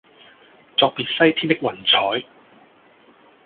作別西天的雲彩